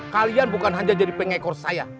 kalian bukan hanya jadi pengekor saya